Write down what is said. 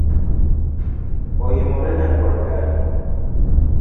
Oimore nyakuar dani